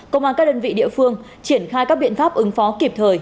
công an các đơn vị địa phương triển khai các biện pháp ứng phó kịp thời